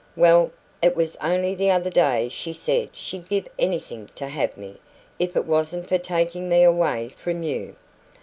"Well, it was only the other day she said she'd give anything to have me, if it wasn't for taking me away from you."